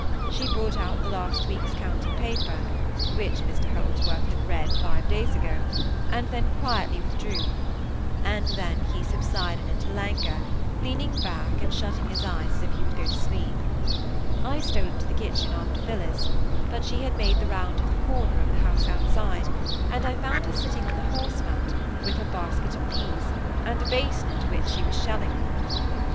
She brought out the last week's county paper (which Mr Holdsworth had read five days ago), and then quietly withdrew; and then he subsided into languor, leaning back and shutting his eyes as if he would go to sleep. I stole into the kitchen after Phillis; but she had made the round of the corner of the house outside, and I found her sitting on the horse mount, with her basket of peas, and a basin into which she was shelling them.